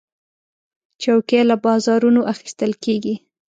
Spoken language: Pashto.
چوکۍ له بازارونو اخیستل کېږي.